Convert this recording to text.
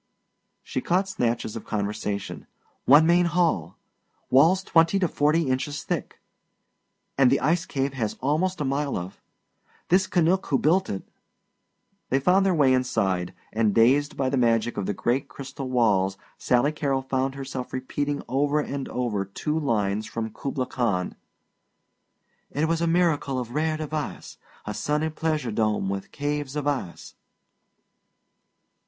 She caught snatches of conversation: "One main hall" "walls twenty to forty inches thick" "and the ice cave has almost a mile of " "this Canuck who built it " They found their way inside, and dazed by the magic of the great crystal walls Sally Carrol found herself repeating over and over two lines from "Kubla Khan": "It was a miracle of rare device, A sunny pleasure dome with caves of ice!"